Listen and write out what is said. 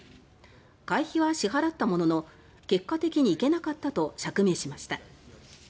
会費は支払ったものの「結果的に行けなかった」と釈明しました。